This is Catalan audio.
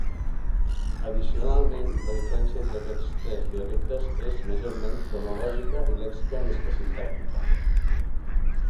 Addicionalment, la diferència entre aquests tres dialectes és majorment fonològica i lèxica més que sintàctica.